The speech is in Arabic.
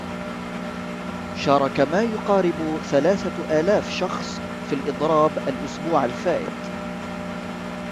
شاركَ ما يقارب ثلاثة آلاف شخصٍ في الإضراب الإسبوع الفائت.